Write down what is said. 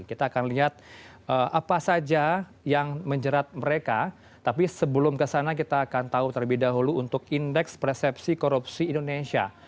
kita akan lihat apa saja yang menjerat mereka tapi sebelum kesana kita akan tahu terlebih dahulu untuk indeks persepsi korupsi indonesia